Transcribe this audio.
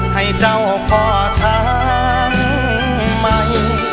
ให้เจ้าพ่อทางใหม่